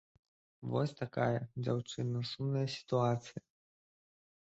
Вось такая, дзяўчына, сумная сітуацыя.